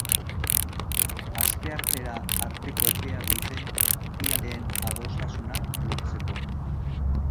Asteartera arteko epea dute bi aldeen adostasuna lortzeko.